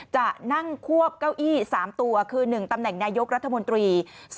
จะนั่งควบเก้าอี้๓ตัวคือ๑ตำแหน่งนายกรัฐมนตรี